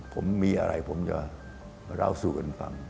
ผมมีอะไรผมจะเล่าสู่กันฟัง